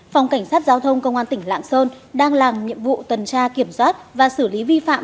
phòng cảnh sát giao thông công an tỉnh lạng sơn đang làm nhiệm vụ tuần tra kiểm soát và xử lý vi phạm